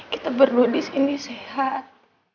kita berdua disini sehat